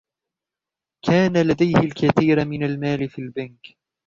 كان لديه الكثير من المال في البنك.